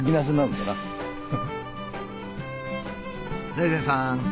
財前さん